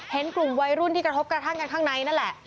เห็นกลุ่มวัยรุ่นที่กระทบกระทั่งกันข้างในนั่นแหละ